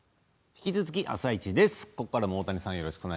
引き続き「あさイチ」です。